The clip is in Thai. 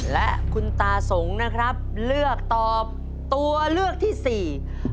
และคุณตาสงนะครับเลือกตอบตัวเลือกที่สี่